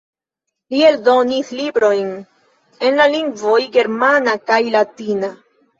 Li eldonis librojn en la lingvoj germana kaj latina.